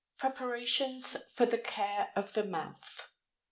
PREPARATIONS FOR THE CARE OF THE MOUTH.